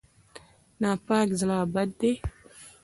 ناپاک زړه بد دی.